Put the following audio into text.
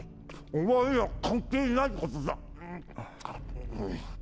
お前には関係ないことだっ。